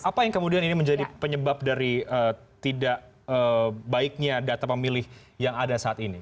apa yang kemudian ini menjadi penyebab dari tidak baiknya data pemilih yang ada saat ini